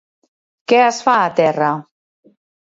Què es fa a terra?